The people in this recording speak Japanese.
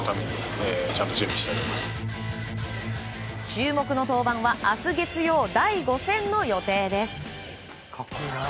注目の登板は明日月曜第５戦の予定です。